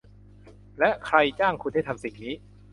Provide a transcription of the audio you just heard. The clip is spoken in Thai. และใครจ้างคุณให้ทำสิ่งนี้